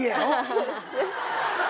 そうですね。